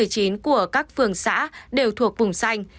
của các phường xã đều thuộc vùng xanh